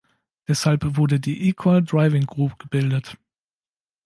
Deshalb wurde die eCall Driving Group gebildet.